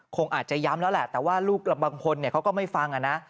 คงอาจจะย้ำแล้วแหละแต่ว่าลูกบางคนเขาก็ไม่ฟังนะ